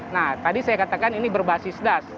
nah tadi saya katakan ini berbasis das